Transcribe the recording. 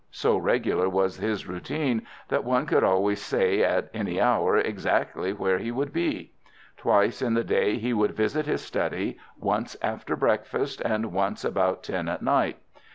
So regular was his routine that one could always say at any hour exactly where he would be. Twice in the day he would visit his study, once after breakfast, and once about ten at night.